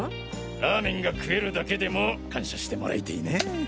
ラーメンが食えるだけでも感謝してもらいたいな。